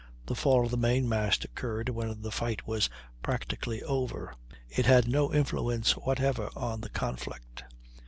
The fall of the main mast occurred when the fight was practically over; it had no influence whatever on the conflict.